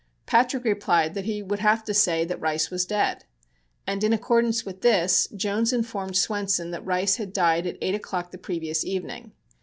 Patrick replied that he would have to say that Rice was dead. And in accordance with this Jones informed Swenson that Rice had died at eight o'clock the previous evening.